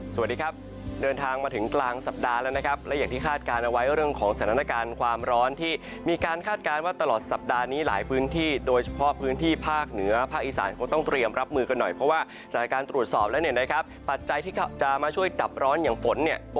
สวัสดีครับเดินทางมาถึงกลางสัปดาห์แล้วนะครับและอย่างที่คาดการณ์เอาไว้เรื่องของสถานการณ์ความร้อนที่มีการคาดการณ์ว่าตลอดสัปดาห์นี้หลายพื้นที่โดยเฉพาะพื้นที่ภาคเหนือภาคอีสานคงต้องเตรียมรับมือกันหน่อยเพราะว่าสถานการณ์ตรวจสอบแล้วเนี่ยนะครับปัจจัยที่จะมาช่วยกับร้อนอย่างฝนเนี่ย